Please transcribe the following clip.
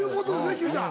Ｑちゃん。